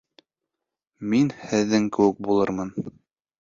Мин һеҙҙең кеүек булырмын...